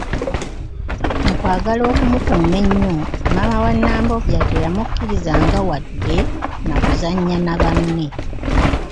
Mu kwagala okumukuuma ennyo, maama wa Nambobya teyamukkiriza nga wadde na kuzannya na banne.